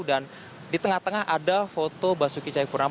dan di tengah tengah ada foto basuki ceyapurnama